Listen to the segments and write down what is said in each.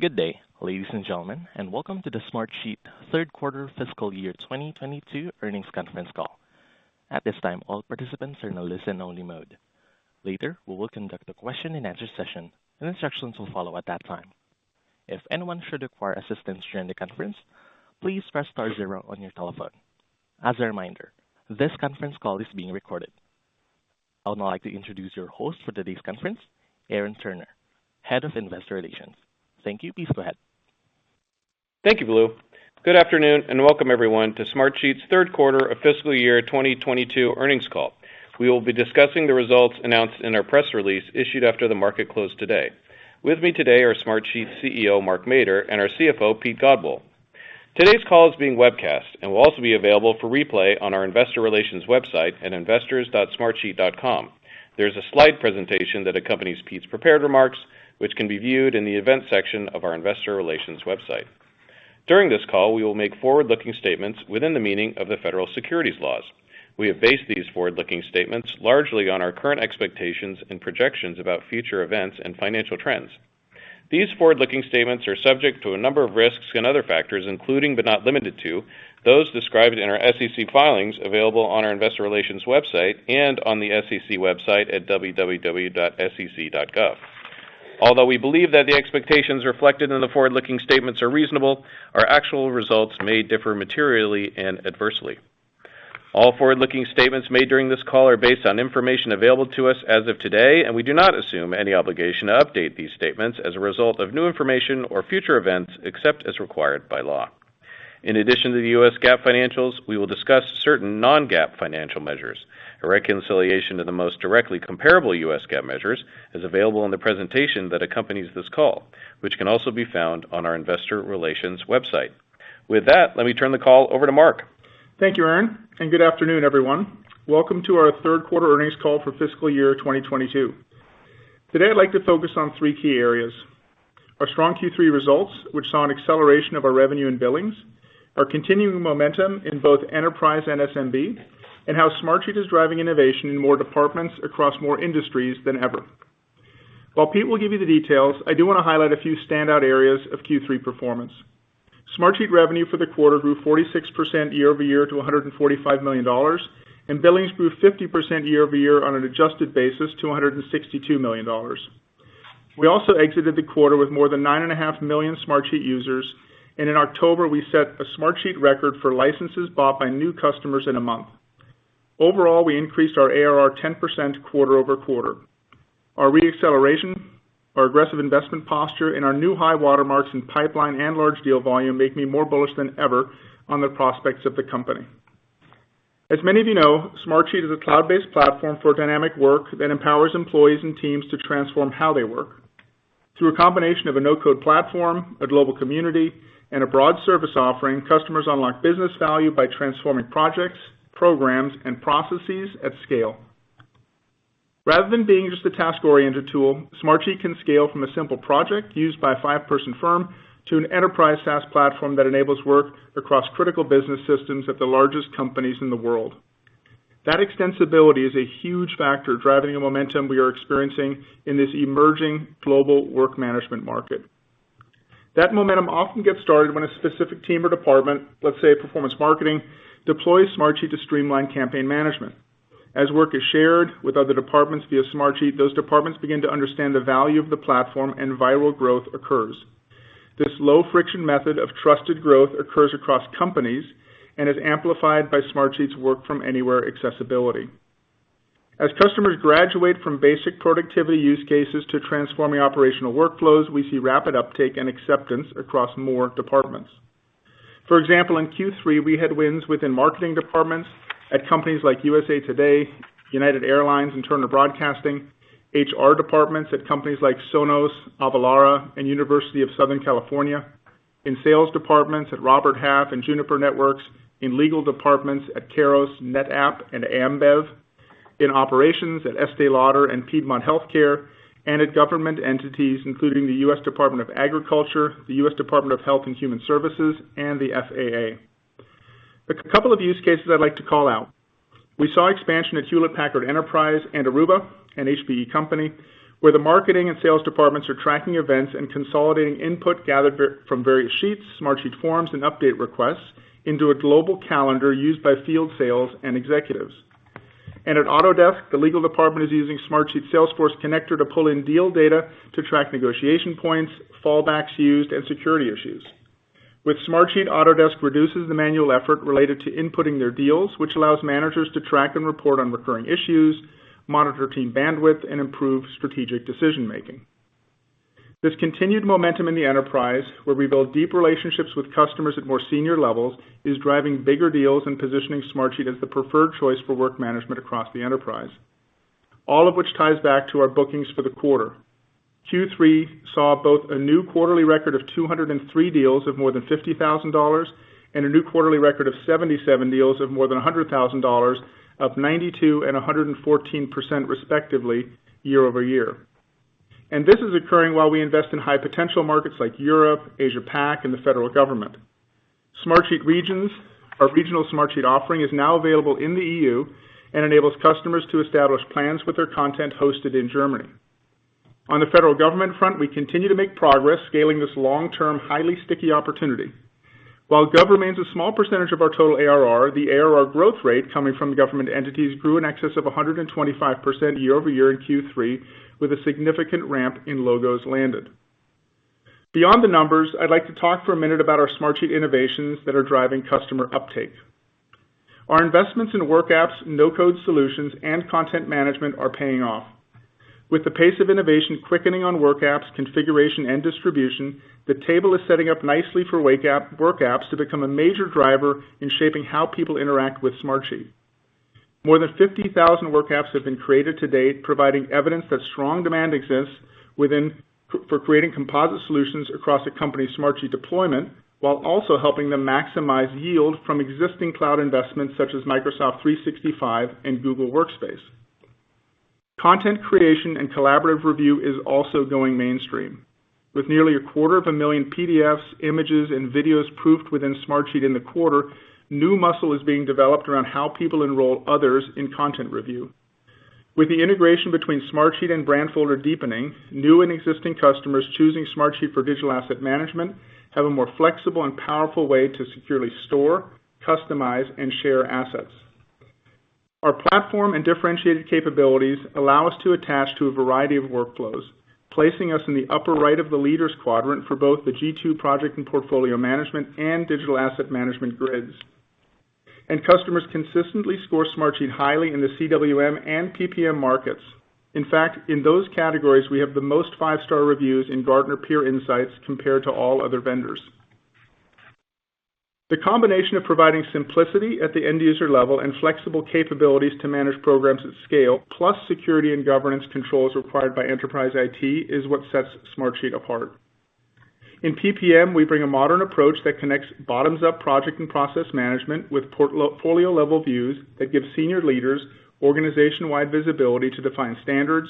Good day, ladies and gentlemen, and welcome to the Smartsheet third quarter fiscal year 2022 earnings conference call. At this time, all participants are in listen only mode. Later, we will conduct a question and answer session, and instructions will follow at that time. If anyone should require assistance during the conference, please press Star zero on your telephone. As a reminder, this conference call is being recorded. I would now like to introduce your host for today's conference, Aaron Turner, Head of Investor Relations. Thank you. Please go ahead. Thank you, Blue. Good afternoon, and welcome everyone to Smartsheet's third quarter of fiscal year 2022 earnings call. We will be discussing the results announced in our press release issued after the market closed today. With me today are Smartsheet CEO, Mark Mader, and our CFO, Pete Godbole. Today's call is being webcast and will also be available for replay on our investor relations website at investors.smartsheet.com. There's a slide presentation that accompanies Pete's prepared remarks, which can be viewed in the events section of our investor relations website. During this call, we will make forward-looking statements within the meaning of the federal securities laws. We have based these forward-looking statements largely on our current expectations and projections about future events and financial trends. These forward-looking statements are subject to a number of risks and other factors, including, but not limited to those described in our SEC filings, available on our investor relations website, and on the SEC website at www.sec.gov. Although we believe that the expectations reflected in the forward-looking statements are reasonable, our actual results may differ materially and adversely. All forward-looking statements made during this call are based on information available to us as of today, and we do not assume any obligation to update these statements as a result of new information or future events, except as required by law. In addition to the US GAAP financials, we will discuss certain non-GAAP financial measures. A reconciliation to the most directly comparable US GAAP measures is available in the presentation that accompanies this call, which can also be found on our investor relations website. With that, let me turn the call over to Mark. Thank you, Aaron, and good afternoon, everyone. Welcome to our third quarter earnings call for fiscal year 2022. Today I'd like to focus on three key areas. Our strong Q3 results, which saw an acceleration of our revenue and billings, our continuing momentum in both enterprise and SMB, and how Smartsheet is driving innovation in more departments across more industries than ever. While Pete will give you the details, I do wanna highlight a few standout areas of Q3 performance. Smartsheet revenue for the quarter grew 46% year-over-year to $145 million, and billings grew 50% year-over-year on an adjusted basis to $162 million. We also exited the quarter with more than 9.5 million Smartsheet users, and in October we set a Smartsheet record for licenses bought by new customers in a month. Overall, we increased our ARR 10% quarter-over-quarter. Our re-acceleration, our aggressive investment posture in our new high watermarks in pipeline and large deal volume make me more bullish than ever on the prospects of the company. As many of you know, Smartsheet is a cloud-based platform for dynamic work that empowers employees and teams to transform how they work. Through a combination of a no-code platform, a global community, and a broad service offering, customers unlock business value by transforming projects, programs, and processes at scale. Rather than being just a task-oriented tool, Smartsheet can scale from a simple project used by a five-person firm to an enterprise SaaS platform that enables work across critical business systems at the largest companies in the world. That extensibility is a huge factor driving the momentum we are experiencing in this emerging global work management market. That momentum often gets started when a specific team or department, let's say, performance marketing, deploys Smartsheet to streamline campaign management. As work is shared with other departments via Smartsheet, those departments begin to understand the value of the platform and viral growth occurs. This low friction method of trusted growth occurs across companies and is amplified by Smartsheet's work from anywhere accessibility. As customers graduate from basic productivity use cases to transforming operational workflows, we see rapid uptake and acceptance across more departments. For example, in Q3, we had wins within marketing departments at companies like USA Today, United Airlines, and Turner Broadcasting, HR departments at companies like Sonos, Avalara, and University of Southern California, in sales departments at Robert Half and Juniper Networks, in legal departments at Kairos, NetApp, and Ambev, in operations at Estée Lauder and Piedmont Healthcare, and at government entities including the U.S. Department of Agriculture, the U.S. Department of Health and Human Services, and the FAA. A couple of use cases I'd like to call out. We saw expansion at Hewlett Packard Enterprise and Aruba, an HPE company, where the marketing and sales departments are tracking events and consolidating input gathered from various sheets, Smartsheet forms, and update requests into a global calendar used by field sales and executives. At Autodesk, the legal department is using Smartsheet Salesforce Connector to pull in deal data to track negotiation points, fallbacks used, and security issues. With Smartsheet, Autodesk reduces the manual effort related to inputting their deals, which allows managers to track and report on recurring issues, monitor team bandwidth, and improve strategic decision-making. This continued momentum in the enterprise, where we build deep relationships with customers at more senior levels, is driving bigger deals and positioning Smartsheet as the preferred choice for work management across the enterprise. All of which ties back to our bookings for the quarter. Q3 saw both a new quarterly record of 203 deals of more than $50,000, and a new quarterly record of 77 deals of more than $100,000, up 92% and 114% respectively year-over-year. This is occurring while we invest in high potential markets like Europe, Asia Pac, and the federal government. Smartsheet Regions, our regional Smartsheet offering, is now available in the EU and enables customers to establish plans with their content hosted in Germany. On the federal government front, we continue to make progress scaling this long-term, highly sticky opportunity. While gov remains a small percentage of our total ARR, the ARR growth rate coming from the government entities grew in excess of 125% year-over-year in Q3, with a significant ramp in logos landed. Beyond the numbers, I'd like to talk for a minute about our Smartsheet innovations that are driving customer uptake. Our investments in WorkApps, no-code solutions, and content management are paying off. With the pace of innovation quickening on WorkApps, configuration, and distribution, the table is setting up nicely for WorkApps to become a major driver in shaping how people interact with Smartsheet. More than 50,000 WorkApps have been created to date, providing evidence that strong demand exists within for creating composite solutions across a company's Smartsheet deployment, while also helping them maximize yield from existing cloud investments such as Microsoft 365 and Google Workspace. Content creation and collaborative review is also going mainstream. With nearly 250,000 PDFs, images, and videos proofed within Smartsheet in the quarter, new muscle is being developed around how people enroll others in content review. With the integration between Smartsheet and Brandfolder deepening, new and existing customers choosing Smartsheet for digital asset management have a more flexible and powerful way to securely store, customize, and share assets. Our platform and differentiated capabilities allow us to attach to a variety of workflows, placing us in the upper right of the leaders quadrant for both the G2 project and portfolio management and digital asset management grids. Customers consistently score Smartsheet highly in the CWM and PPM markets. In fact, in those categories, we have the most five-star reviews in Gartner Peer Insights compared to all other vendors. The combination of providing simplicity at the end user level and flexible capabilities to manage programs at scale, plus security and governance controls required by enterprise IT, is what sets Smartsheet apart. In PPM, we bring a modern approach that connects bottoms-up project and process management with portfolio-level views that give senior leaders organization-wide visibility to define standards,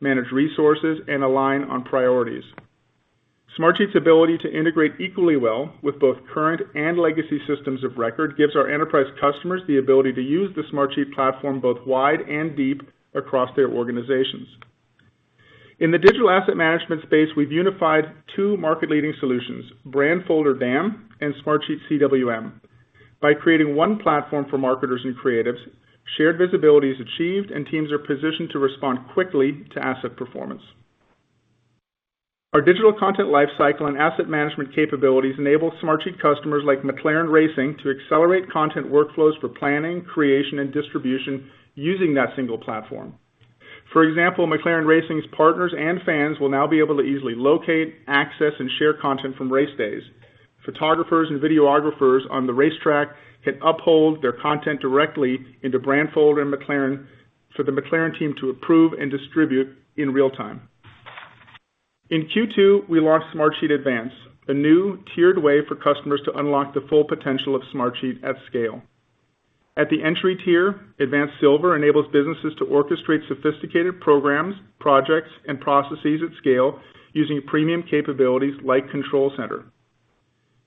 manage resources, and align on priorities. Smartsheet's ability to integrate equally well with both current and legacy systems of record gives our enterprise customers the ability to use the Smartsheet platform both wide and deep across their organizations. In the digital asset management space, we've unified two market-leading solutions, Brandfolder DAM and Smartsheet CWM. By creating one platform for marketers and creatives, shared visibility is achieved, and teams are positioned to respond quickly to asset performance. Our digital content lifecycle and asset management capabilities enable Smartsheet customers like McLaren Racing to accelerate content workflows for planning, creation, and distribution using that single platform. For example, McLaren Racing's partners and fans will now be able to easily locate, access, and share content from race days. Photographers and videographers on the racetrack can upload their content directly into Brandfolder and McLaren for the McLaren team to approve and distribute in real time. In Q2, we launched Smartsheet Advance, a new tiered way for customers to unlock the full potential of Smartsheet at scale. At the entry tier, Advance Silver enables businesses to orchestrate sophisticated programs, projects, and processes at scale using premium capabilities like Control Center.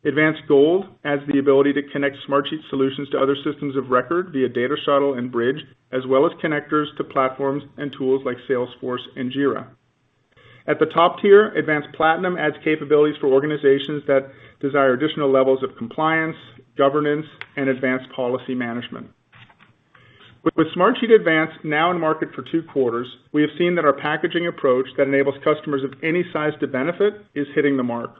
Advance Gold adds the ability to connect Smartsheet solutions to other systems of record via Data Shuttle and Bridge, as well as connectors to platforms and tools like Salesforce and Jira. At the top tier, Advance Platinum adds capabilities for organizations that desire additional levels of compliance, governance, and advanced policy management. With Smartsheet Advance now in market for two quarters, we have seen that our packaging approach that enables customers of any size to benefit is hitting the mark.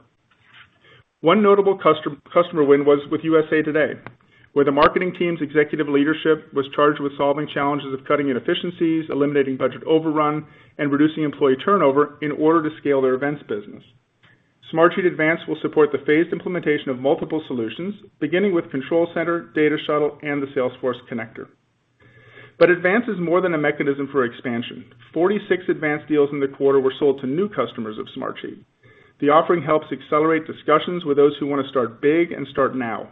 One notable customer win was with USA Today, where the marketing team's executive leadership was charged with solving challenges of cutting inefficiencies, eliminating budget overrun, and reducing employee turnover in order to scale their events business. Smartsheet Advance will support the phased implementation of multiple solutions, beginning with Control Center, Data Shuttle, and the Salesforce Connector. Advance is more than a mechanism for expansion. 46 Advance deals in the quarter were sold to new customers of Smartsheet. The offering helps accelerate discussions with those who wanna start big and start now.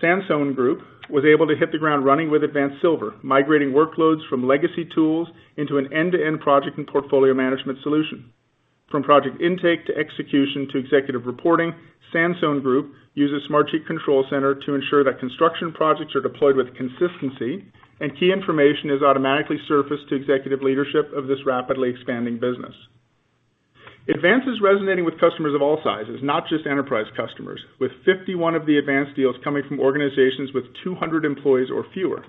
Sandstone Group was able to hit the ground running with Advance Silver, migrating workloads from legacy tools into an end-to-end project and portfolio management solution. From project intake to execution to executive reporting, Sandstone Group uses Smartsheet Control Center to ensure that construction projects are deployed with consistency and key information is automatically surfaced to executive leadership of this rapidly expanding business. Advance is resonating with customers of all sizes, not just enterprise customers, with 51 of the Advance deals coming from organizations with 200 employees or fewer.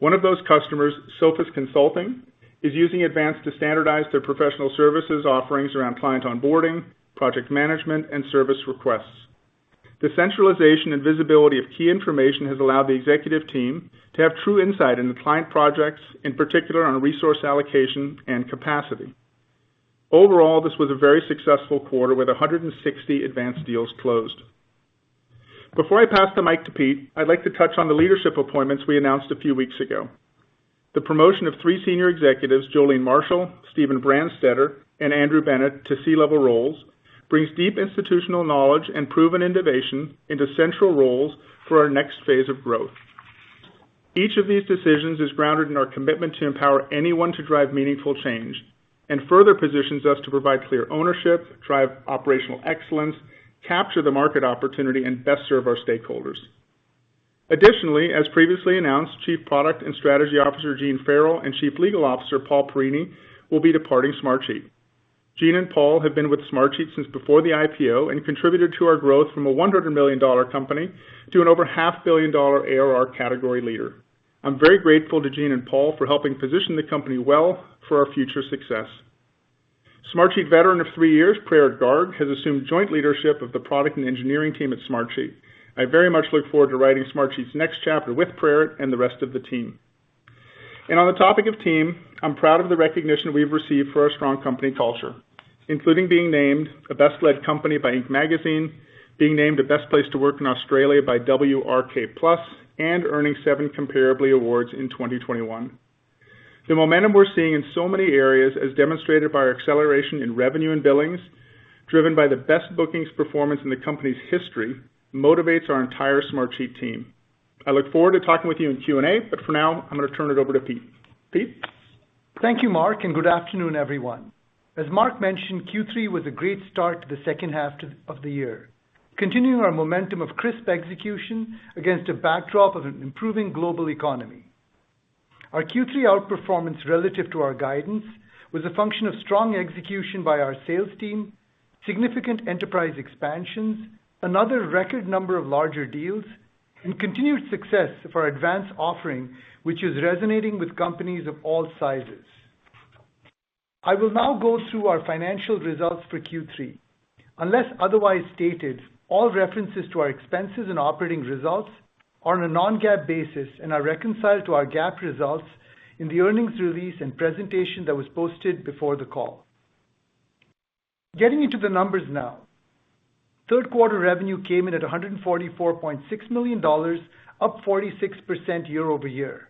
One of those customers, Sophos Consulting, is using Advance to standardize their professional services offerings around client onboarding, project management, and service requests. The centralization and visibility of key information has allowed the executive team to have true insight into client projects, in particular on resource allocation and capacity. Overall, this was a very successful quarter, with 160 Advance deals closed. Before I pass the mic to Pete, I'd like to touch on the leadership appointments we announced a few weeks ago. The promotion of three senior executives, Jolynn Marshall, Stephen Branstetter, and Andrew Bennett, to C-level roles brings deep institutional knowledge and proven innovation into central roles for our next phase of growth. Each of these decisions is grounded in our commitment to empower anyone to drive meaningful change and further positions us to provide clear ownership, drive operational excellence, capture the market opportunity, and best serve our stakeholders. Additionally, as previously announced, Chief Product and Strategy Officer, Gene Farrell, and Chief Legal Officer, Paul Porrini, will be departing Smartsheet. Gene and Paul have been with Smartsheet since before the IPO and contributed to our growth from a $100 million company to an over $500 million ARR category leader. I'm very grateful to Gene and Paul for helping position the company well for our future success. Smartsheet veteran of three years, Praerit Garg, has assumed joint leadership of the product and engineering team at Smartsheet. I very much look forward to writing Smartsheet's next chapter with Praerit and the rest of the team. On the topic of team, I'm proud of the recognition we've received for our strong company culture, including being named a Best-Led Company by Inc. magazine, being named the Best Place to Work in Australia by WRK+, and earning seven Comparably awards in 2021. The momentum we're seeing in so many areas, as demonstrated by our acceleration in revenue and billings, driven by the best bookings performance in the company's history, motivates our entire Smartsheet team. I look forward to talking with you in Q&A, but for now, I'm gonna turn it over to Pete. Pete? Thank you, Mark, and good afternoon, everyone. As Mark mentioned, Q3 was a great start to the second half of the year, continuing our momentum of crisp execution against a backdrop of an improving global economy. Our Q3 outperformance relative to our guidance was a function of strong execution by our sales team, significant enterprise expansions, another record number of larger deals, and continued success of our advanced offering, which is resonating with companies of all sizes. I will now go through our financial results for Q3. Unless otherwise stated, all references to our expenses and operating results are on a non-GAAP basis and are reconciled to our GAAP results in the earnings release and presentation that was posted before the call. Getting into the numbers now. Third quarter revenue came in at $144.6 million, up 46% year-over-year.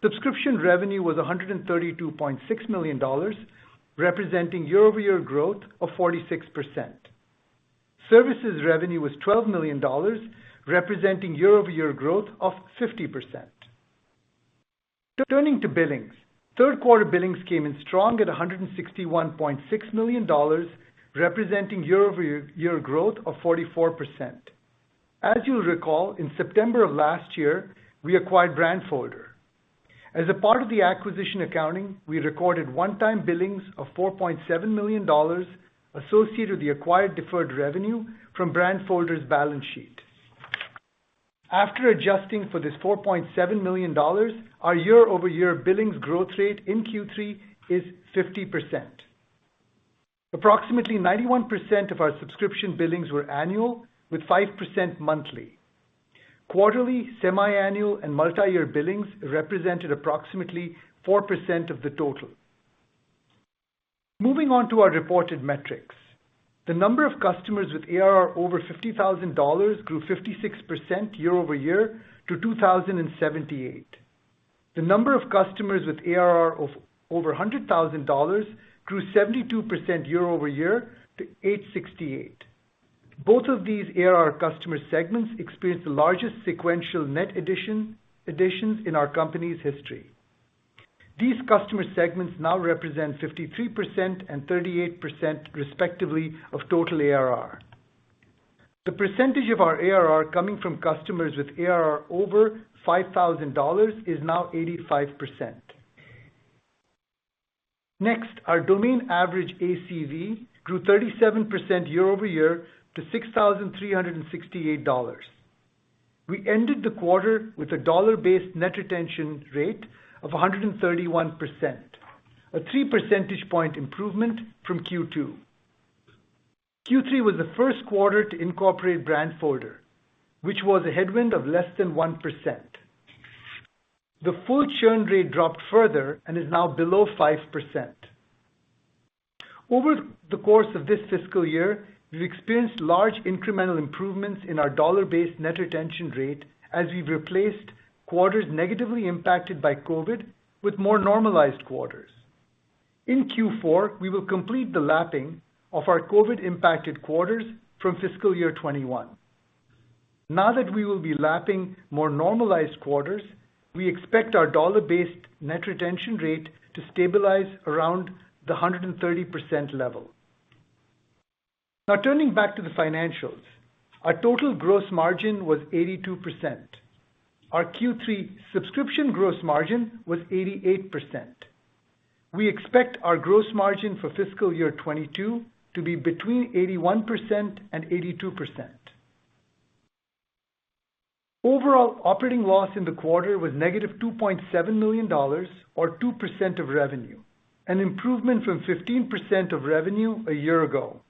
Subscription revenue was $132.6 million, representing year-over-year growth of 46%. Services revenue was $12 million, representing year-over-year growth of 50%. Turning to billings. Third quarter billings came in strong at $161.6 million, representing year-over-year growth of 44%. As you'll recall, in September of last year, we acquired Brandfolder. As a part of the acquisition accounting, we recorded one-time billings of $4.7 million associated with the acquired deferred revenue from Brandfolder's balance sheet. After adjusting for this $4.7 million, our year-over-year billings growth rate in Q3 is 50%. Approximately 91% of our subscription billings were annual, with 5% monthly. Quarterly, semiannual, and multi-year billings represented approximately 4% of the total. Moving on to our reported metrics. The number of customers with ARR over $50,000 grew 56% year-over-year to 2,078. The number of customers with ARR of over $100,000 grew 72% year-over-year to 868. Both of these ARR customer segments experienced the largest sequential net additions in our company's history. These customer segments now represent 53% and 38%, respectively, of total ARR. The percentage of our ARR coming from customers with ARR over $5,000 is now 85%. Next, our domain average ACV grew 37% year-over-year to $6,368. We ended the quarter with a dollar-based net retention rate of 131%, a 3 percentage point improvement from Q2. Q3 was the first quarter to incorporate Brandfolder, which was a headwind of less than 1%. The full churn rate dropped further and is now below 5%. Over the course of this fiscal year, we've experienced large incremental improvements in our dollar-based net retention rate as we've replaced quarters negatively impacted by COVID with more normalized quarters. In Q4, we will complete the lapping of our COVID-impacted quarters from fiscal year 2021. Now that we will be lapping more normalized quarters, we expect our dollar-based net retention rate to stabilize around the 130% level. Now turning back to the financials. Our total gross margin was 82%. Our Q3 subscription gross margin was 88%. We expect our gross margin for fiscal year 2022 to be between 81% and 82%. Overall operating loss in the quarter was negative $2.7 million or 2% of revenue, an improvement from 15% of revenue a year ago.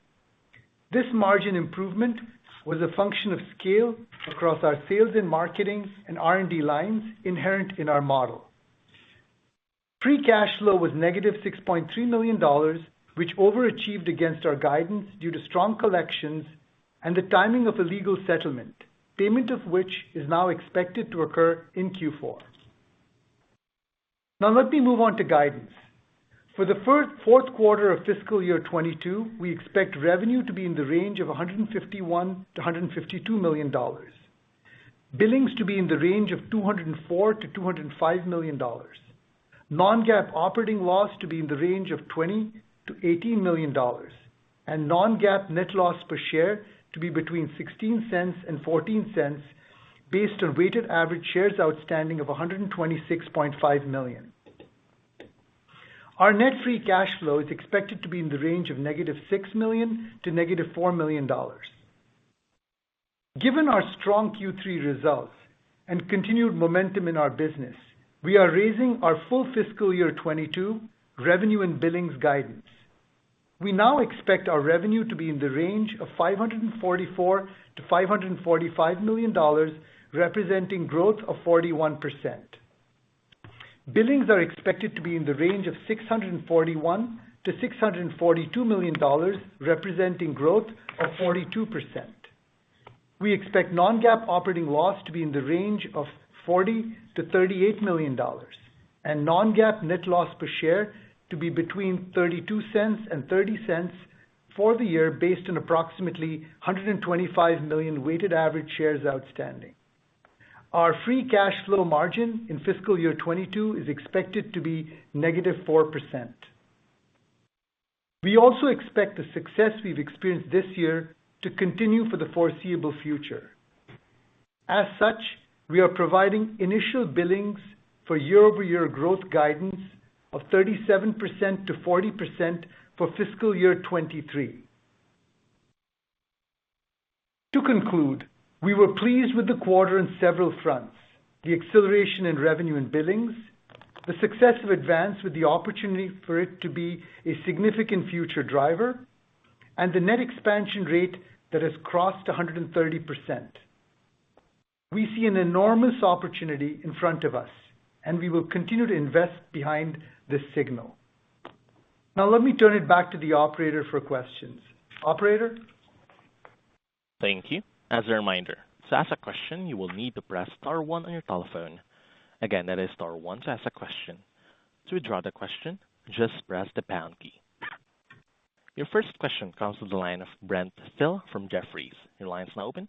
This margin improvement was a function of scale across our sales and marketing and R&D lines inherent in our model. Free cash flow was -$6.3 million, which overachieved against our guidance due to strong collections and the timing of a legal settlement, payment of which is now expected to occur in Q4. Now let me move on to guidance. For the fourth quarter of fiscal year 2022, we expect revenue to be in the range of $151 million-$152 million. Billings to be in the range of $204 million-$205 million. Non-GAAP operating loss to be in the range of $18 million-$20 million. Non-GAAP net loss per share to be between $0.16 and $0.14 based on weighted average shares outstanding of 126.5 million. Our net free cash flow is expected to be in the range of -$6 million to -$4 million. Given our strong Q3 results and continued momentum in our business, we are raising our full fiscal year 2022 revenue and billings guidance. We now expect our revenue to be in the range of $544 million-$545 million, representing growth of 41%. Billings are expected to be in the range of $641 million-$642 million, representing growth of 42%. We expect non-GAAP operating loss to be in the range of $40 million-$38 million, and non-GAAP net loss per share to be between $0.32 and $0.30 for the year based on approximately 125 million weighted average shares outstanding. Our free cash flow margin in FY 2022 is expected to be -4%. We also expect the success we've experienced this year to continue for the foreseeable future. As such, we are providing initial billings for year-over-year growth guidance of 37%-40% for FY 2023. To conclude, we were pleased with the quarter on several fronts. The acceleration in revenue and billings, the success of Advance with the opportunity for it to be a significant future driver, and the net expansion rate that has crossed 130%. We see an enormous opportunity in front of us, and we will continue to invest behind this signal. Now let me turn it back to the operator for questions. Operator? Thank you. As a reminder, to ask a question, you will need to press Star one on your telephone. Again, that is star one to ask a question. To withdraw the question, just press the pound key. Your first question comes from the line of Brent Thill from Jefferies. Your line's now open.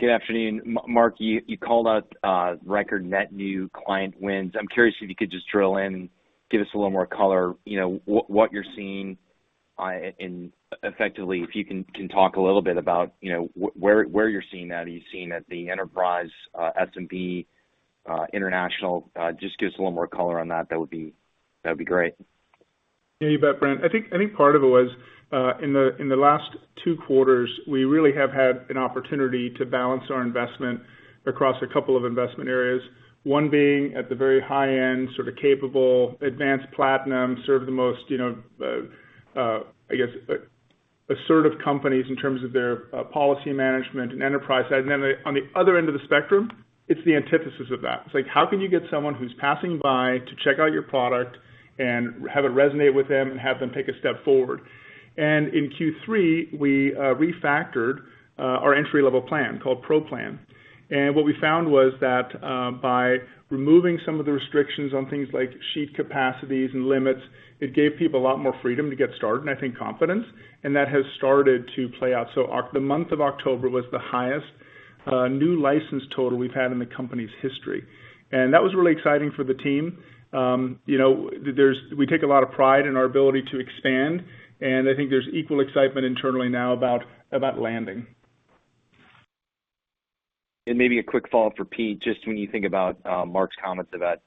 Good afternoon. Mark, you called out record net new client wins. I'm curious if you could just drill in and give us a little more color, you know, what you're seeing, and effectively, if you can talk a little bit about, you know, where you're seeing that. Are you seeing it at the enterprise, S&P, international? Just give us a little more color on that. That would be great. Yeah, you bet, Brent. I think part of it was in the last two quarters, we really have had an opportunity to balance our investment across a couple of investment areas. One being at the very high end, sort of Advance Platinum to serve the most, you know, I guess, assertive companies in terms of their policy management and enterprise side. Then on the other end of the spectrum, it's the antithesis of that. It's like, how can you get someone who's passing by to check out your product and have it resonate with them and have them take a step forward? In Q3, we refactored our entry-level plan called Pro plan. What we found was that, by removing some of the restrictions on things like sheet capacities and limits, it gave people a lot more freedom to get started, and I think confidence, and that has started to play out. October was the highest new license total we've had in the company's history. That was really exciting for the team. You know, we take a lot of pride in our ability to expand, and I think there's equal excitement internally now about landing. Maybe a quick follow-up for Pete, just when you think about Mark's comments about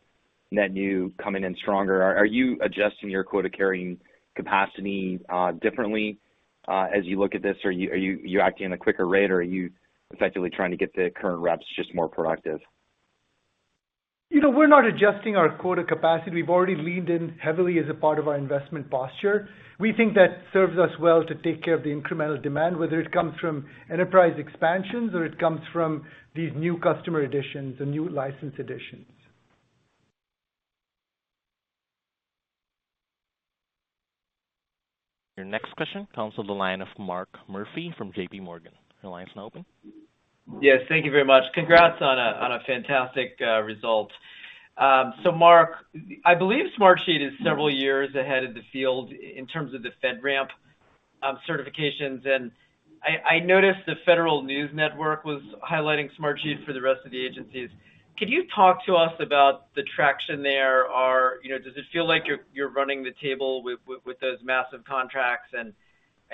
net new coming in stronger, are you adjusting your quota-carrying capacity differently as you look at this? Are you acting at a quicker rate, or are you effectively trying to get the current reps just more productive? You know, we're not adjusting our quota capacity. We've already leaned in heavily as a part of our investment posture. We think that serves us well to take care of the incremental demand, whether it comes from enterprise expansions or it comes from these new customer additions and new license additions. Your next question comes from the line of Mark Murphy from JPMorgan. Your line's now open. Yes, thank you very much. Congrats on a fantastic result. So Mark, I believe Smartsheet is several years ahead of the field in terms of the FedRAMP certifications. I noticed the Federal News Network was highlighting Smartsheet for the rest of the agencies. Could you talk to us about the traction there or, you know, does it feel like you're running the table with those massive contracts?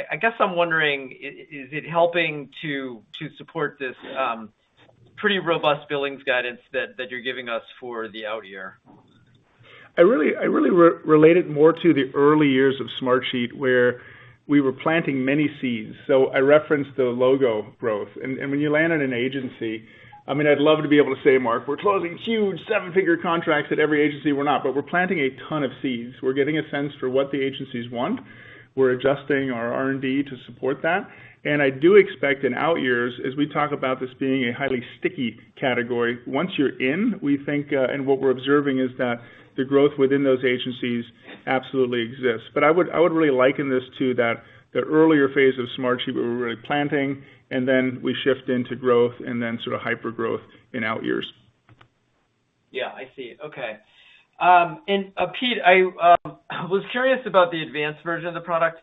I guess I'm wondering, is it helping to support this pretty robust billings guidance that you're giving us for the out year? I really relate it more to the early years of Smartsheet, where we were planting many seeds. I referenced the low growth. When you land in an agency, I mean, I'd love to be able to say, Mark, we're closing huge seven-figure contracts at every agency. We're not. We're planting a ton of seeds. We're getting a sense for what the agencies want. We're adjusting our R&D to support that. I do expect in out years, as we talk about this being a highly sticky category, once you're in, we think, and what we're observing is that the growth within those agencies absolutely exists. I would really liken this to that, the earlier phase of Smartsheet where we're really planting, and then we shift into growth and then sort of hyper-growth in out years. Yeah, I see. Okay. Pete, I was curious about the advanced version of the product.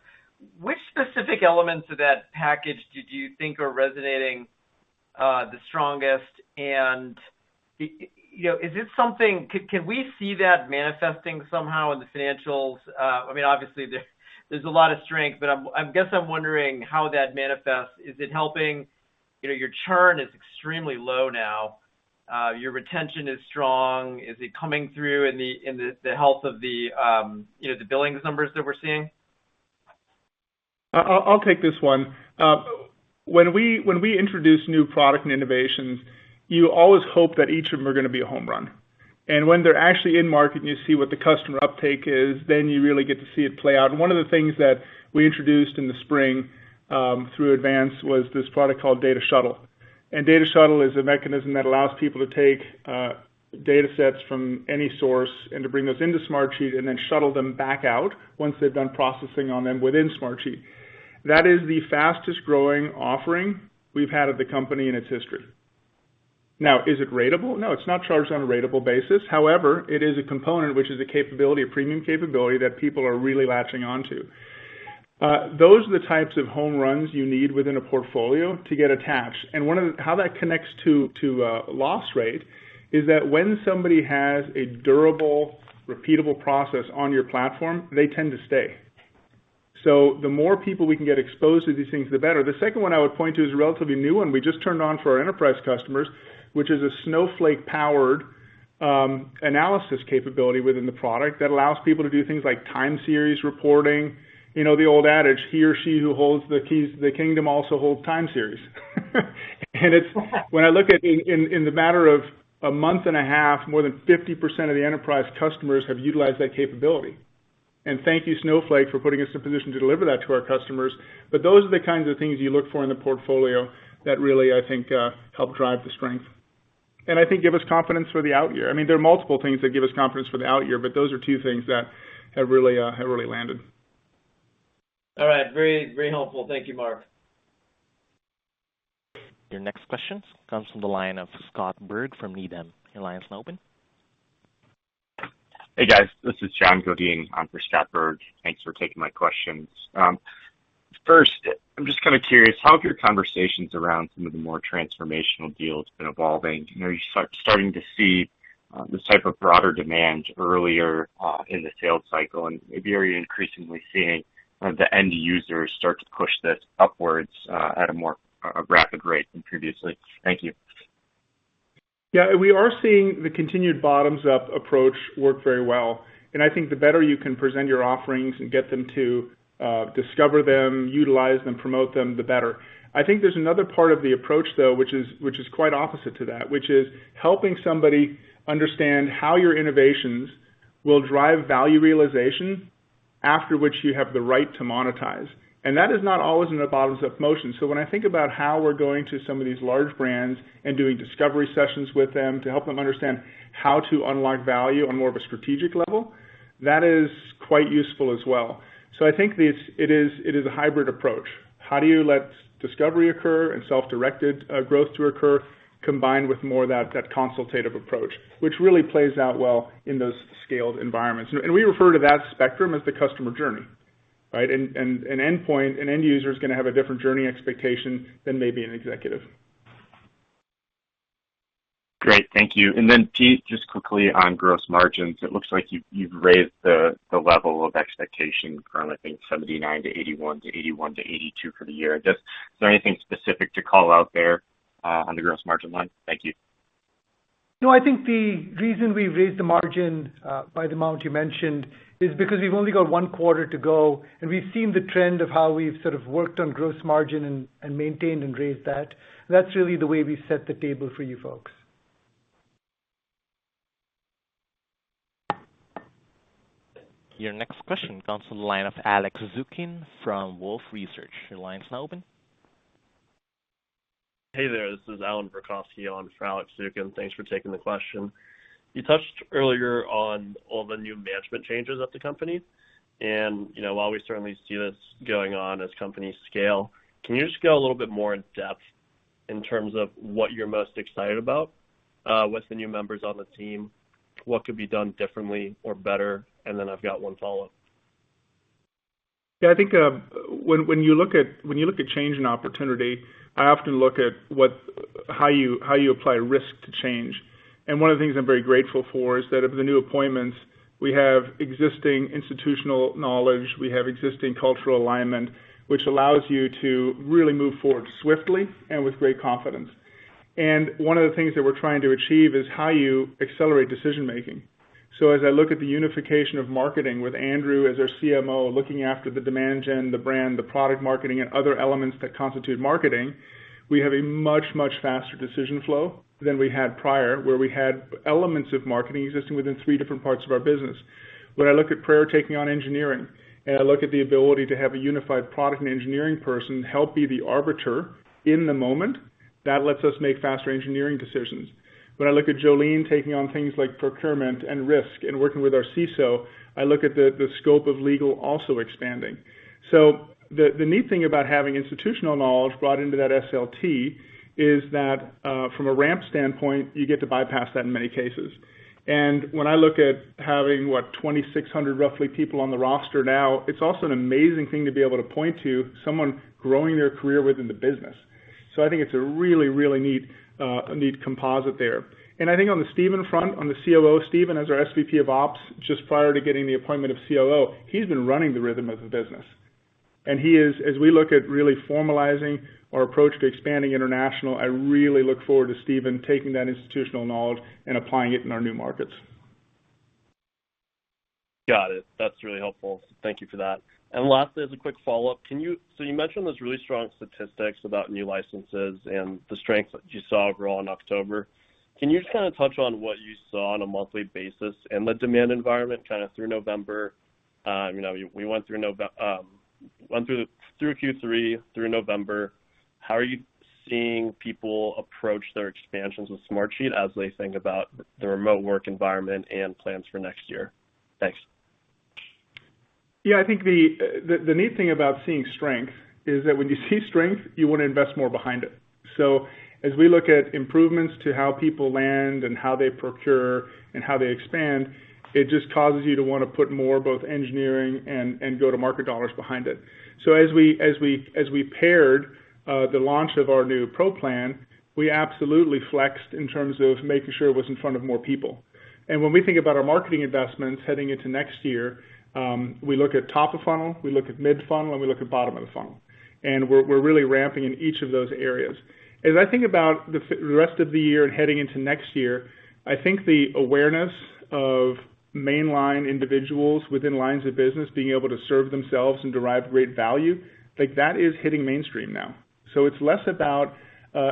Which specific elements of that package did you think are resonating the strongest? You know, is it something? Can we see that manifesting somehow in the financials? I mean, obviously, there's a lot of strength, but I guess I'm wondering how that manifests. Is it helping? You know, your churn is extremely low now. Your retention is strong. Is it coming through in the health of the billings numbers that we're seeing? I'll take this one. When we introduce new product and innovations, you always hope that each of them are gonna be a home run. When they're actually in market and you see what the customer uptake is, then you really get to see it play out. One of the things that we introduced in the spring through Advance was this product called Data Shuttle. Data Shuttle is a mechanism that allows people to take data sets from any source and to bring those into Smartsheet and then shuttle them back out once they've done processing on them within Smartsheet. That is the fastest-growing offering we've had at the company in its history. Now, is it ratable? No, it's not charged on a ratable basis. However, it is a component which is a capability, a premium capability that people are really latching onto. Those are the types of home runs you need within a portfolio to get attached. How that connects to loss rate is that when somebody has a durable, repeatable process on your platform, they tend to stay. The more people we can get exposed to these things, the better. The second one I would point to is a relatively new one we just turned on for our enterprise customers, which is a Snowflake-powered analysis capability within the product that allows people to do things like time series reporting. You know, the old adage, he or she who holds the keys to the kingdom also holds time series. When I look at it in the matter of a month and a half, more than 50% of the enterprise customers have utilized that capability. Thank you, Snowflake, for putting us in a position to deliver that to our customers. Those are the kinds of things you look for in a portfolio that really, I think, help drive the strength, and I think give us confidence for the out year. I mean, there are multiple things that give us confidence for the out year, those are two things that have really landed. All right, very, very helpful. Thank you, Mark. Your next question comes from the line of Scott Berg from Needham & Company. Hey, guys. This is John Godin in for Scott Berg. Thanks for taking my questions. First, I'm just kinda curious, how have your conversations around some of the more transformational deals been evolving? You know, are you starting to see this type of broader demand earlier in the sales cycle? Maybe are you increasingly seeing the end users start to push this upwards at a more rapid rate than previously? Thank you. Yeah, we are seeing the continued bottoms-up approach work very well, and I think the better you can present your offerings and get them to discover them, utilize them, promote them, the better. I think there's another part of the approach, though, which is quite opposite to that, which is helping somebody understand how your innovations will drive value realization after which you have the right to monetize. That is not always in a bottoms-up motion. When I think about how we're going to some of these large brands and doing discovery sessions with them to help them understand how to unlock value on more of a strategic level, that is quite useful as well. I think it is a hybrid approach. How do you let discovery occur and self-directed growth to occur combined with more of that consultative approach, which really plays out well in those scaled environments? We refer to that spectrum as the customer journey, right? An endpoint, an end user is gonna have a different journey expectation than maybe an executive. Great. Thank you. Pete, just quickly on gross margins. It looks like you've raised the level of expectation from, I think, 79%, to 81%, to 81%, to 82% for the year. Just, is there anything specific to call out there on the gross margin line? Thank you. No, I think the reason we raised the margin by the amount you mentioned is because we've only got one quarter to go, and we've seen the trend of how we've sort of worked on gross margin and maintained and raised that. That's really the way we set the table for you folks. Your next question comes from the line of Alex Zukin from Wolfe Research. Your line's now open. Hey there. This is Alan Berkowski on for Alex Zukin. Thanks for taking the question. You touched earlier on all the new management changes at the company. You know, while we certainly see this going on as companies scale, can you just go a little bit more in-depth in terms of what you're most excited about with the new members on the team? What could be done differently or better? I've got one follow-up. Yeah, I think when you look at change and opportunity, I often look at how you apply risk to change. One of the things I'm very grateful for is that of the new appointments, we have existing institutional knowledge, we have existing cultural alignment, which allows you to really move forward swiftly and with great confidence. One of the things that we're trying to achieve is how you accelerate decision-making. As I look at the unification of marketing with Andrew as our CMO, looking after the demand gen, the brand, the product marketing, and other elements that constitute marketing, we have a much, much faster decision flow than we had prior, where we had elements of marketing existing within three different parts of our business. When I look at Praerit taking on engineering, and I look at the ability to have a unified product and engineering person help be the arbiter in the moment. That lets us make faster engineering decisions. When I look at Jolene taking on things like procurement and risk and working with our CISO, I look at the scope of legal also expanding. The neat thing about having institutional knowledge brought into that SLT is that from a ramp standpoint, you get to bypass that in many cases. When I look at having, what, 2,600 roughly people on the roster now, it's also an amazing thing to be able to point to someone growing their career within the business. I think it's a really neat composite there. I think on the Stephen front, on the COO Stephen, as our SVP of Ops, just prior to getting the appointment of COO, he's been running the rhythm of the business. He is, as we look at really formalizing our approach to expanding international, I really look forward to Stephen taking that institutional knowledge and applying it in our new markets. Got it. That's really helpful. Thank you for that. Lastly, as a quick follow-up, can you. You mentioned those really strong statistics about new licenses and the strength that you saw grow in October. Can you just kinda touch on what you saw on a monthly basis in the demand environment, kinda through November? You know, we went through Q3, through November. How are you seeing people approach their expansions with Smartsheet as they think about the remote work environment and plans for next year? Thanks. Yeah, I think the neat thing about seeing strength is that when you see strength, you wanna invest more behind it. As we look at improvements to how people land and how they procure and how they expand, it just causes you to wanna put more, both engineering and go-to-market dollars behind it. As we paired the launch of our new Pro plan, we absolutely flexed in terms of making sure it was in front of more people. When we think about our marketing investments heading into next year, we look at top of funnel, we look at mid-funnel, and we look at bottom of the funnel. We're really ramping in each of those areas. As I think about the rest of the year and heading into next year, I think the awareness of mainline individuals within lines of business being able to serve themselves and derive great value, like, that is hitting mainstream now. It's less about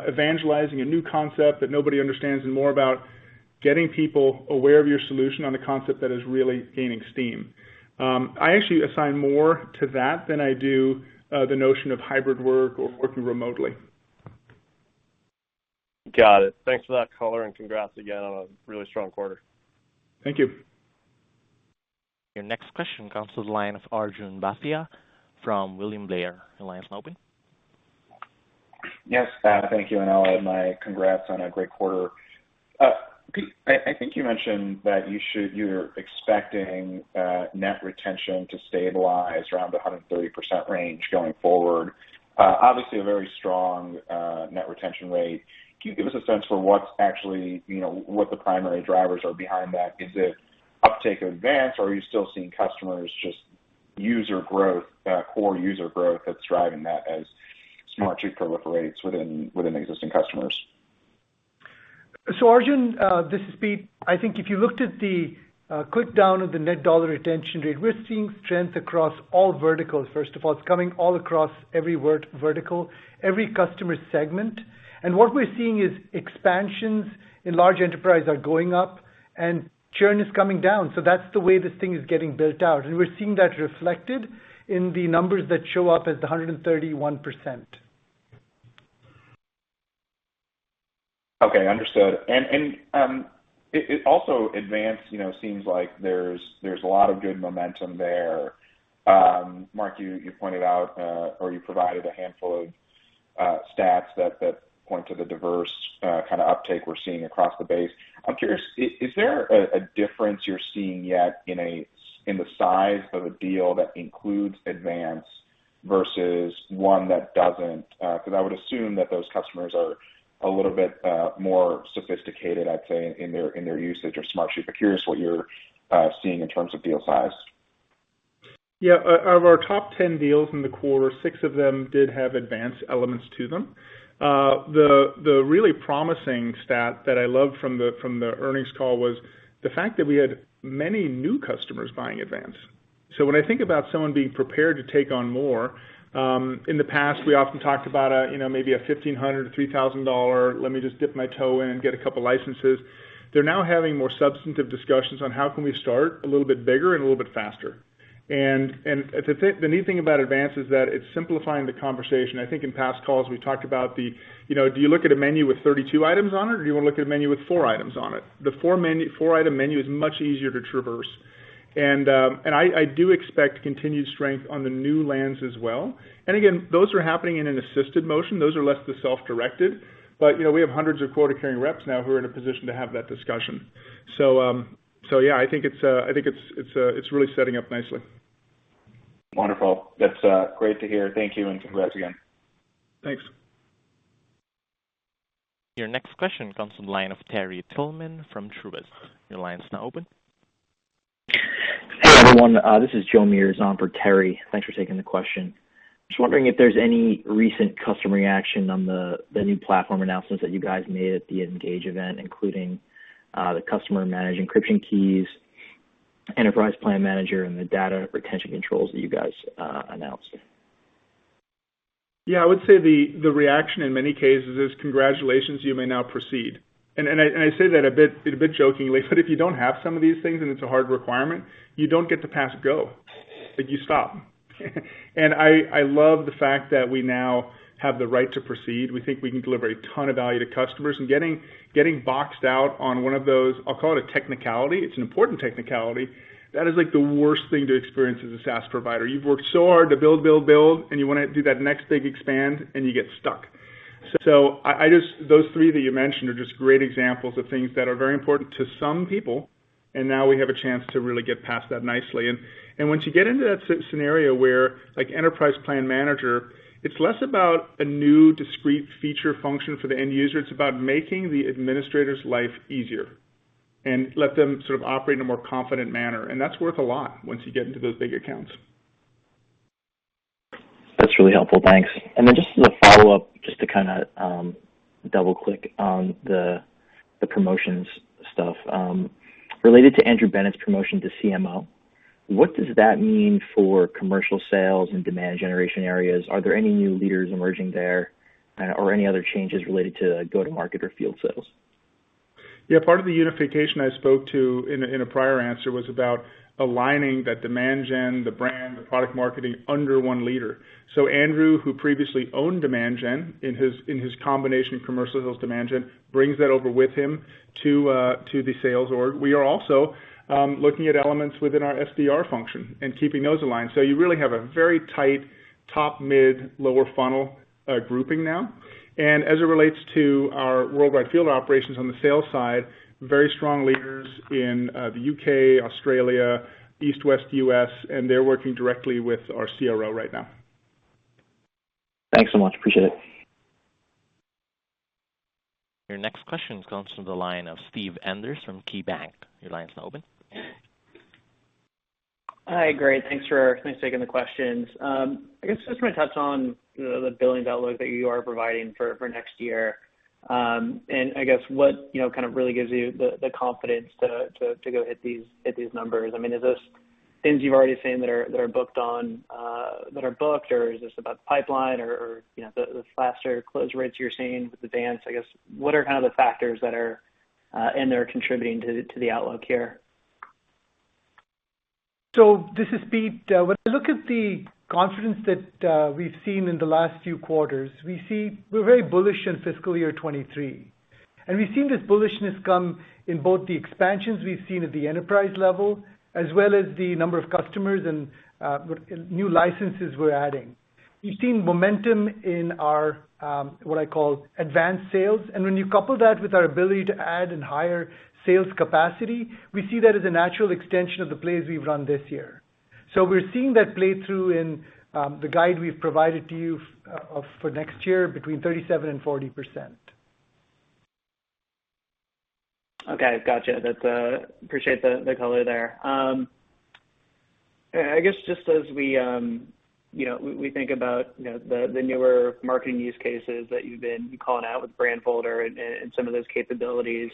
evangelizing a new concept that nobody understands and more about getting people aware of your solution on a concept that is really gaining steam. I actually assign more to that than I do the notion of hybrid work or working remotely. Got it. Thanks for that color, and congrats again on a really strong quarter. Thank you. Your next question comes to the line of Arjun Bhatia from William Blair. Your line's now open. Yes. Thank you. I'll add my congrats on a great quarter. Pete, I think you mentioned that you're expecting net retention to stabilize around the 130% range going forward. Obviously a very strong net retention rate. Can you give us a sense for what's actually, you know, what the primary drivers are behind that? Is it uptake Advance, or are you still seeing customers just user growth, core user growth that's driving that as Smartsheet proliferates within existing customers? Arjun, this is Pete. I think if you looked at the breakdown of the net dollar retention rate, we're seeing strength across all verticals, first of all. It's coming all across every vertical, every customer segment. We're seeing that expansions in large enterprise are going up and churn is coming down. That's the way this thing is getting built out. We're seeing that reflected in the numbers that show up as the 131%. Okay, understood. It also advanced. You know, seems like there's a lot of good momentum there. Mark, you pointed out or you provided a handful of stats that point to the diverse kinda uptake we're seeing across the base. I'm curious, is there a difference you're seeing yet in the size of a deal that includes Advance versus one that doesn't? 'Cause I would assume that those customers are a little bit more sophisticated, I'd say, in their usage of Smartsheet. Curious what you're seeing in terms of deal size. Yeah. Of our top 10 deals in the quarter, six of them did have advance elements to them. The really promising stat that I loved from the earnings call was the fact that we had many new customers buying advance. When I think about someone being prepared to take on more, in the past, we often talked about a, you know, maybe a $1,500-$3,000, let me just dip my toe in and get a couple licenses. They're now having more substantive discussions on how can we start a little bit bigger and a little bit faster. The neat thing about advance is that it's simplifying the conversation. I think in past calls, we talked about the, you know, do you look at a menu with 32 items on it, or do you wanna look at a menu with 4 items on it? The 4-item menu is much easier to traverse. I do expect continued strength on the new lands as well. Again, those are happening in an assisted fashion. Those are less the self-directed. You know, we have hundreds of quota-carrying reps now who are in a position to have that discussion. Yeah, I think it's really setting up nicely. Wonderful. That's great to hear. Thank you, and congrats again. Thanks. Your next question comes from the line of Terry Tillman from Truist. Your line is now open. Hey, everyone. This is Joe Meares on for Terry. Thanks for taking the question. Just wondering if there's any recent customer reaction on the new platform announcements that you guys made at the ENGAGE event, including the customer-managed encryption keys, Enterprise Plan Manager, and the data retention controls that you guys announced. Yeah. I would say the reaction in many cases is, "Congratulations, you may now proceed." I say that a bit jokingly, but if you don't have some of these things and it's a hard requirement, you don't get to pass go. You stop. I love the fact that we now have the right to proceed. We think we can deliver a ton of value to customers. Getting boxed out on one of those, I'll call it a technicality, is an important technicality that is like the worst thing to experience as a SaaS provider. You've worked so hard to build, and you wanna do that next big expansion, and you get stuck. Those three that you mentioned are just great examples of things that are very important to some people, and now we have a chance to really get past that nicely. Once you get into that scenario where like Enterprise Plan Manager, it's less about a new discrete feature function for the end user, it's about making the administrator's life easier and let them sort of operate in a more confident manner. That's worth a lot once you get into those big accounts. That's really helpful. Thanks. Just as a follow-up, just to kinda double-click on the promotions stuff. Related to Andrew Bennett's promotion to CMO, what does that mean for commercial sales and demand generation areas? Are there any new leaders emerging there, or any other changes related to go-to-market or field sales? Yeah. Part of the unification I spoke to in a prior answer was about aligning that demand gen, the brand, the product marketing under one leader. Andrew, who previously owned demand gen, in his combination of commercial sales and demand gen, brings that over with him to the sales org. We are also looking at elements within our SDR function and keeping those aligned. You really have a very tight top mid lower funnel grouping now. As it relates to our worldwide field operations on the sales side, very strong leaders in the U.K., Australia, East, West U.S., and they're working directly with our CRO right now. Thanks so much. I appreciate it. Your next question comes from the line of Steve Enders from KeyBanc. Your line is now open. Hi, great. Thanks for taking the questions. I guess just wanna touch on, you know, the billings outlook that you are providing for next year. I guess what, you know, kind of really gives you the confidence to go hit these numbers. I mean, is this things you've already seen that are booked or is this about the pipeline or the faster close rates you're seeing with the dance? I guess, what are kind of the factors that are in there contributing to the outlook here? This is Pete. When I look at the confidence that we've seen in the last few quarters, we're very bullish in fiscal year 2023. We've seen this bullishness come in both the expansions we've seen at the enterprise level, as well as the number of customers and new licenses we're adding. We've seen momentum in our what I call advanced sales. When you couple that with our ability to add in higher sales capacity, we see that as a natural extension of the plays we've run this year. We're seeing that play through in the guide we've provided to you for next year between 37% and 40%. Okay. Gotcha. I appreciate the color there. I guess just as we, you know, we think about, you know, the newer marketing use cases that you've been calling out with Brandfolder and some of those capabilities,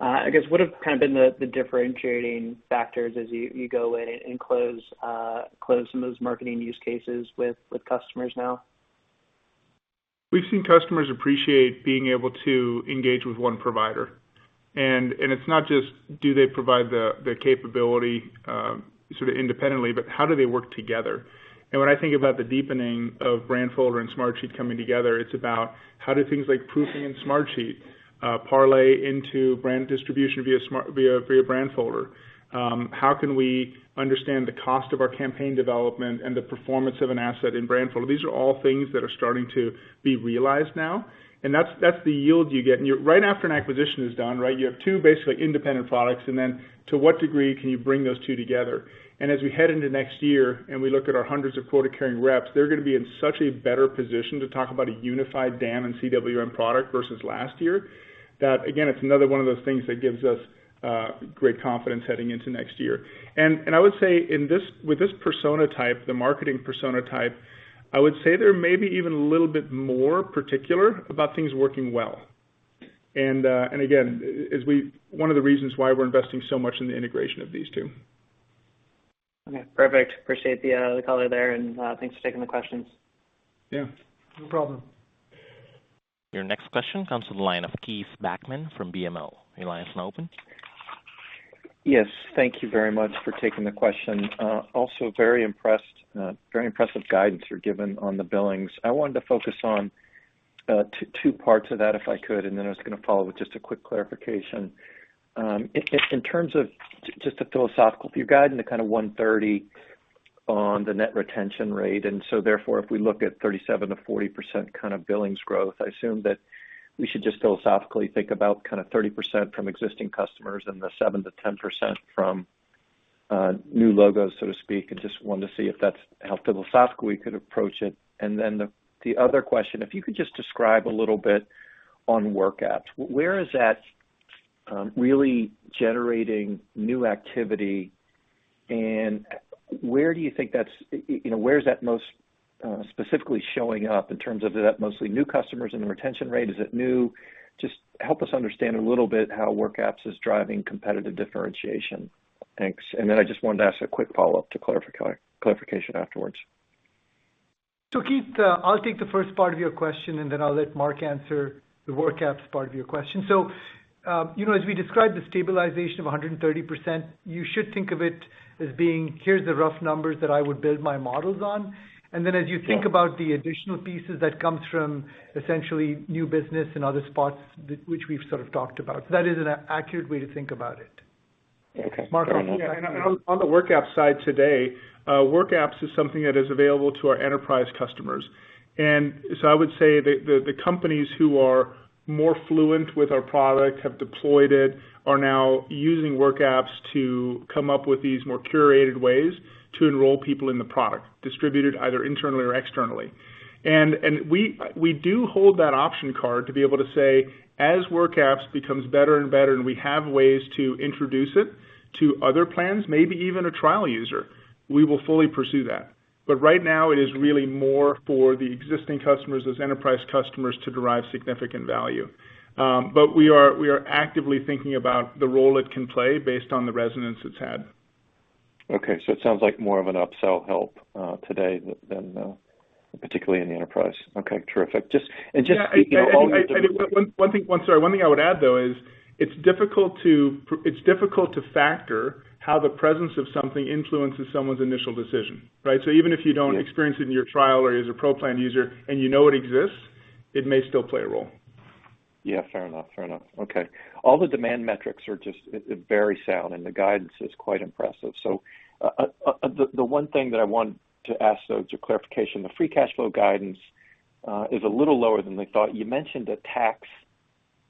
I guess what have kind of been the differentiating factors as you go in and close some of those marketing use cases with customers now? We've seen customers appreciate being able to engage with one provider. It's not just do they provide the capability sort of independently, but how do they work together? When I think about the deepening of Brandfolder and Smartsheet coming together, it's about how do things like proofing in Smartsheet parlay into brand distribution via Brandfolder. How can we understand the cost of our campaign development and the performance of an asset in Brandfolder? These are all things that are starting to be realized now, and that's the yield you get. Right after an acquisition is done, right, you have two basically independent products, and then to what degree can you bring those two together? As we head into next year and we look at our hundreds of quota-carrying reps, they're gonna be in such a better position to talk about a unified DAM and CWM product versus last year. That, again, it's another one of those things that gives us great confidence heading into next year. With this persona type, the marketing persona type, I would say they're maybe even a little bit more particular about things working well. One of the reasons why we're investing so much in the integration of these two. Okay. Perfect. Appreciate the color there, and thanks for taking the questions. Yeah. No problem. Your next question comes from the line of Keith Bachman from BMO. Your line is now open. Yes. Thank you very much for taking the question. Also very impressed. Very impressive guidance you're given on the billings. I wanted to focus on two parts of that, if I could, and then I was gonna follow with just a quick clarification. In terms of just a philosophical view, guiding to kind of 130 on the net retention rate, and so therefore, if we look at 37%-40% kind of billings growth, I assume that we should just philosophically think about kind of 30% from existing customers and the 7%-10% from new logos, so to speak. I just wanted to see if that's how philosophical we could approach it. Then the other question, if you could just describe a little bit on WorkApps. Where is that really generating new activity, and where do you think that's you know, where is that most specifically showing up in terms of is that mostly new customers in the retention rate? Is it new? Just help us understand a little bit how WorkApps is driving competitive differentiation. Thanks. And then I just wanted to ask a quick follow-up to clarification afterwards. Keith, I'll take the first part of your question, and then I'll let Mark answer the WorkApps part of your question. You know, as we described the stabilization of 130%, you should think of it as being, here's the rough numbers that I would build my models on. Then as you think about the additional pieces that comes from essentially new business and other spots which we've sort of talked about, that is an accurate way to think about it. Okay. Mark? Yeah. On the WorkApps side today, WorkApps is something that is available to our enterprise customers. I would say the companies who are more fluent with our product, have deployed it, are now using WorkApps to come up with these more curated ways to enroll people in the product, distributed either internally or externally. We do hold that option card to be able to say, as WorkApps becomes better and better, and we have ways to introduce it to other plans, maybe even a trial user, we will fully pursue that. Right now, it is really more for the existing customers, those enterprise customers, to derive significant value. We are actively thinking about the role it can play based on the resonance it's had. Okay. It sounds like more of an upsell help today than particularly in the enterprise. Okay, terrific. Just, One thing I would add, though, is it's difficult to factor how the presence of something influences someone's initial decision, right? So even if you don't experience it in your trial or as a Pro plan user and you know it exists, it may still play a role. Yeah, fair enough. Okay. All the demand metrics are just very sound, and the guidance is quite impressive. The one thing that I want to ask, though, it's a clarification. The free cash flow guidance is a little lower than they thought. You mentioned a tax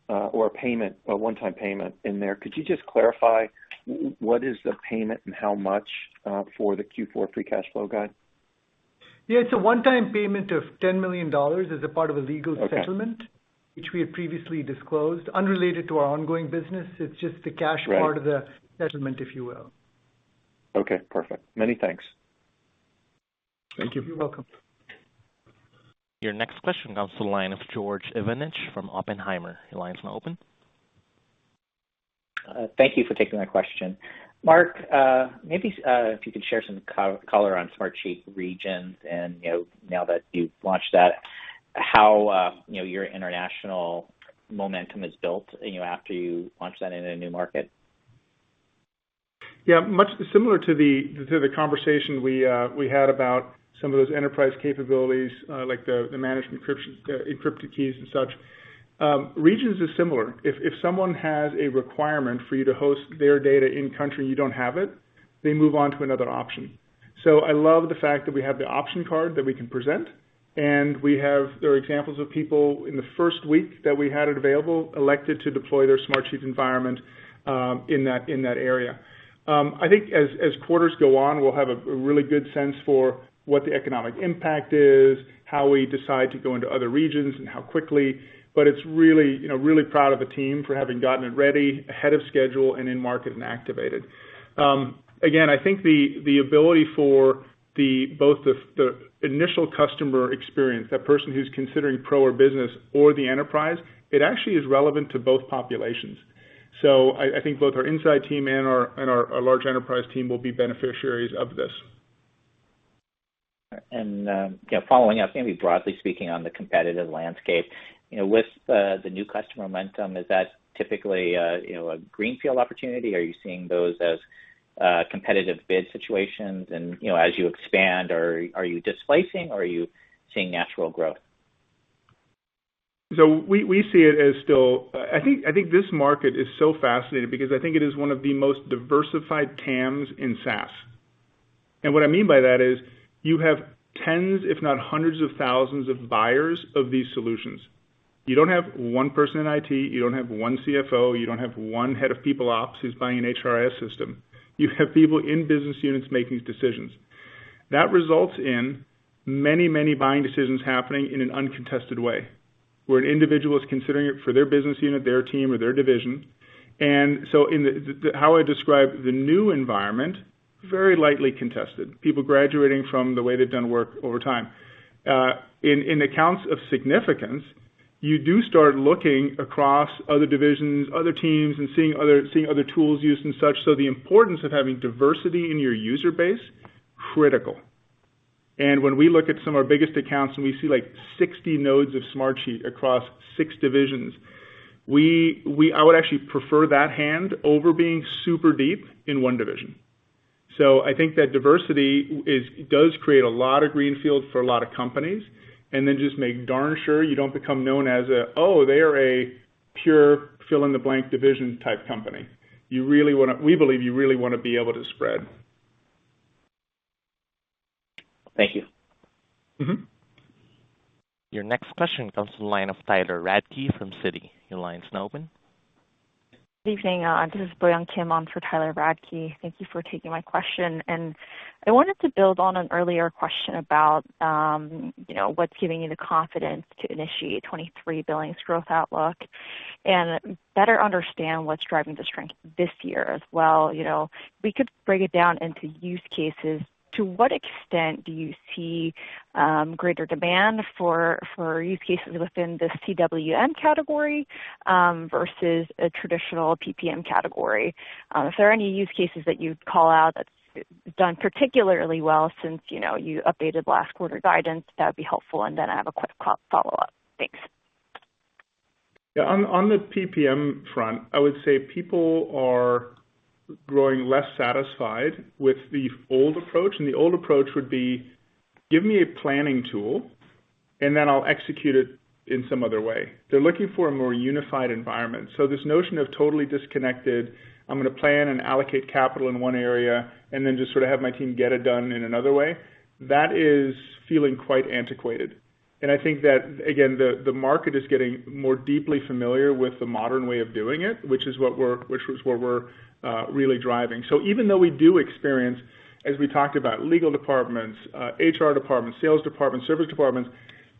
or a payment, a one-time payment in there. Could you just clarify what is the payment and how much for the Q4 free cash flow guide? Yeah, it's a one-time payment of $10 million as a part of a legal settlement. Okay. which we had previously disclosed, unrelated to our ongoing business. It's just the cash Right. Part of the settlement, if you will. Okay, perfect. Many thanks. Thank you. You're welcome. Your next question comes to the line of George Iwanyc from Oppenheimer. Your line is now open. Thank you for taking my question. Mark, maybe if you could share some color on Smartsheet Regions and, you know, now that you've launched that, how your international momentum is built, you know, after you launch that in a new market? Yeah. Much similar to the conversation we had about some of those enterprise capabilities, like the managed encryption, encrypted keys and such. Regions is similar. If someone has a requirement for you to host their data in-country and you don't have it, they move on to another option. I love the fact that we have the option card that we can present, and we have examples of people in the first week that we had it available, elected to deploy their Smartsheet environment in that area. I think as quarters go on, we'll have a really good sense for what the economic impact is, how we decide to go into other regions and how quickly. I'm really, you know, really proud of the team for having gotten it ready ahead of schedule and in market and activated. Again, I think the ability for both the initial customer experience, that person who's considering pro or business or the enterprise, it actually is relevant to both populations. I think both our inside team and our large enterprise team will be beneficiaries of this. Following up, maybe broadly speaking on the competitive landscape. You know, with the new customer momentum, is that typically a greenfield opportunity? Are you seeing those as competitive bid situations? You know, as you expand, are you displacing or are you seeing natural growth? We see it as still. I think this market is so fascinating because it is one of the most diversified TAMs in SaaS. What I mean by that is you have tens if not hundreds of thousands of buyers of these solutions. You don't have one person in IT, you don't have one CFO, you don't have one head of people ops who's buying an HRIS system. You have people in business units making decisions. That results in many, many buying decisions happening in an uncontested way, where an individual is considering it for their business unit, their team or their division. In the how I describe the new environment, very lightly contested. People graduating from the way they've done work over time. In accounts of significance, you do start looking across other divisions, other teams, and seeing other tools used and such, so the importance of having diversity in your user base critical. When we look at some of our biggest accounts and we see like 60 nodes of Smartsheet across 6 divisions, I would actually prefer that hand over being super deep in one division. I think that diversity does create a lot of greenfield for a lot of companies, and then just make darn sure you don't become known as a, "Oh, they are a pure fill-in-the-blank division type company." We believe you really wanna be able to spread. Thank you. Mm-hmm. Your next question comes from the line of Tyler Radke from Citi. Your line is now open. Good evening. This is Boyoung Kim on for Tyler Radke. Thank you for taking my question. I wanted to build on an earlier question about, you know, what's giving you the confidence to initiate 23% billings growth outlook, and better understand what's driving the strength this year as well. You know, if we could break it down into use cases, to what extent do you see greater demand for use cases within the CWM category versus a traditional PPM category? Is there any use cases that you'd call out that's done particularly well since, you know, you updated last quarter guidance? That'd be helpful, and then I have a quick follow-up. Thanks. Yeah, on the PPM front, I would say people are growing less satisfied with the old approach, and the old approach would be, give me a planning tool, and then I'll execute it in some other way. They're looking for a more unified environment. This notion of totally disconnected, I'm gonna plan and allocate capital in one area and then just sort of have my team get it done in another way, that is feeling quite antiquated. I think that, again, the market is getting more deeply familiar with the modern way of doing it, which is what we're really driving. Even though we do experience, as we talked about legal departments, HR departments, sales departments, service departments,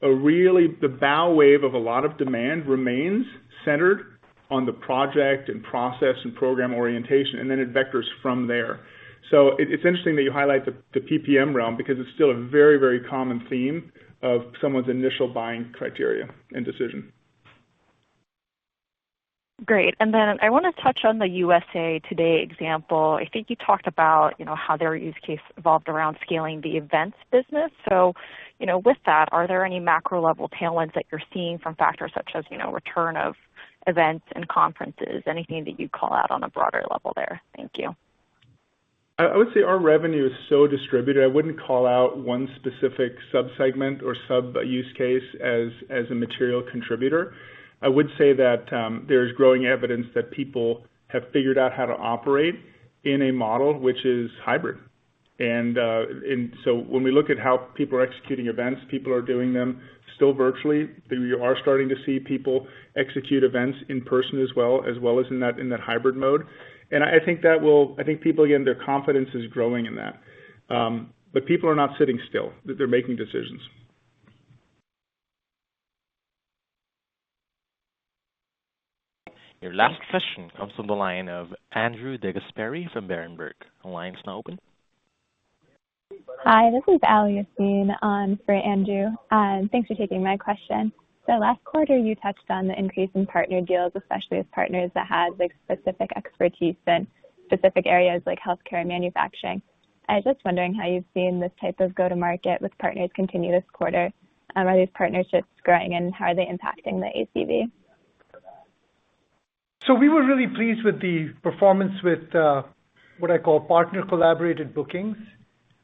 really the bow wave of a lot of demand remains centered on the project and process and program orientation, and then it vectors from there. It's interesting that you highlight the PPM realm because it's still a very, very common theme of someone's initial buying criteria and decision. Great. I wanna touch on the USA Today example. I think you talked about, you know, how their use case evolved around scaling the events business. You know, with that, are there any macro level tailwinds that you're seeing from factors such as, you know, return of events and conferences? Anything that you'd call out on a broader level there? Thank you. I would say our revenue is so distributed, I wouldn't call out one specific sub-segment or sub use case as a material contributor. I would say that there's growing evidence that people have figured out how to operate in a model which is hybrid. When we look at how people are executing events, people are doing them still virtually. We are starting to see people execute events in person as well as in that hybrid mode. I think that will. I think people again, their confidence is growing in that. People are not sitting still. They're making decisions. Your last question comes from the line of Andrew DeGasperi from Berenberg. The line's now open. Hi, this is Ali Yaseen on for Andrew. Thanks for taking my question. Last quarter you touched on the increase in partner deals, especially with partners that had like specific expertise in specific areas like healthcare and manufacturing. I was just wondering how you've seen this type of go-to-market with partners continue this quarter. Are these partnerships growing, and how are they impacting the ACV? We were really pleased with the performance with what I call partner collaborated bookings.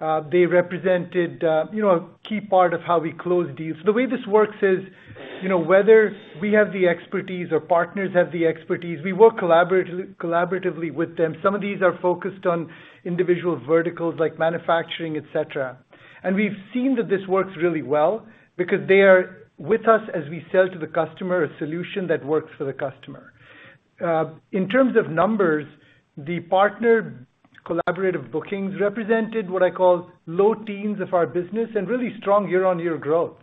They represented, you know, a key part of how we close deals. The way this works is, you know, whether we have the expertise or partners have the expertise, we work collaboratively with them. Some of these are focused on individual verticals like manufacturing, et cetera. We've seen that this works really well because they are with us as we sell to the customer a solution that works for the customer. In terms of numbers, the partner collaborative bookings represented what I call low teens of our business and really strong year-on-year growth.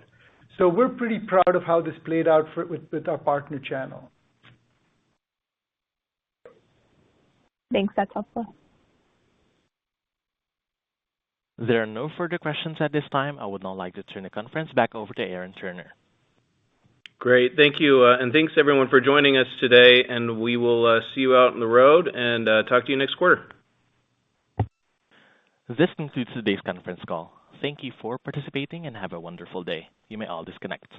We're pretty proud of how this played out with our partner channel. Thanks. That's helpful. There are no further questions at this time. I would now like to turn the conference back over to Aaron Turner. Great. Thank you. Thanks everyone for joining us today, and we will see you out on the road and talk to you next quarter. This concludes today's conference call. Thank you for participating and have a wonderful day. You may all disconnect.